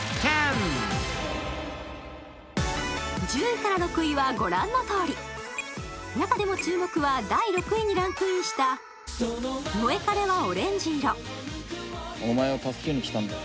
１０位から６位は御覧のとおり、中でも注目は第６位にランクインした「モエカレはオレンジ色」。